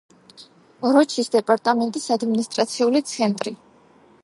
როჩის დეპარტამენტის ადმინისტრაციული ცენტრი.